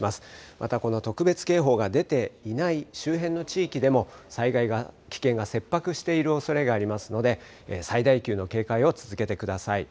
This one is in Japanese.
またこの特別警報が出ていない周辺の地域でも災害の危険が切迫しているおそれがありますので、最大級の警戒を続けてください。